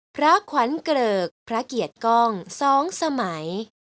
พระขวัญเกริกพระเกียรติกล้อง๒สมัย